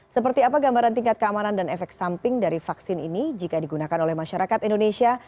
seperti apa gambaran tingkat keamanan dan efek samping dari vaksin ini jika digunakan oleh masyarakat indonesia